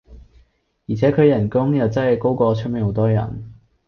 而且佢人工又真係高過出面好多人